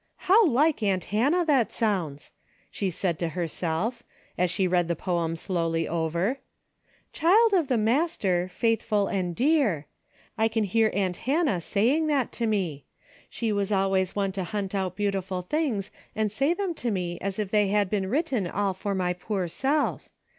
" How like aunt Hannah that sounds !" she said to herself, as she read the poem slowly over, "'Child of the Master, faithful and A DAILY RATE.'^ 23 dear.' I can hear aunt Hannah saying that to me. She was always one to hunt out beau tiful things and say them to me as if they had been written all for my poor self.